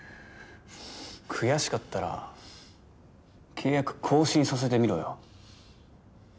悔しかったら契約更新させてみろよ